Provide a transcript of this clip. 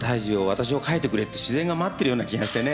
私を描いてくれ」って自然が待ってるような気がしてね。